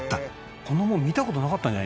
「こんなもの見た事なかったんじゃない？」